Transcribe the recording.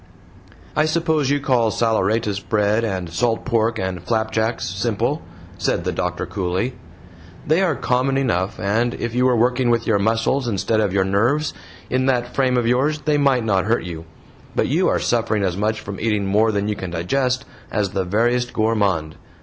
"I suppose you call saleratus bread and salt pork and flapjacks SIMPLE?" said the doctor, coolly; "they are COMMON enough, and if you were working with your muscles instead of your nerves in that frame of yours they might not hurt you; but you are suffering as much from eating more than you can digest as the veriest gourmand.